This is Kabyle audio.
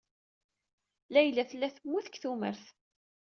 Layla tella temmut seg tumert.